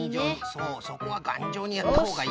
そうそこはがんじょうにやったほうがいい。